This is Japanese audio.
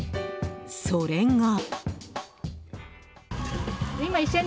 それが。